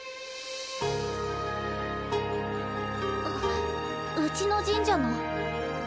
あうちの神社の。